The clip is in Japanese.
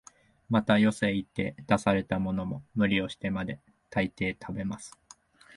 また、よそへ行って出されたものも、無理をしてまで、大抵食べます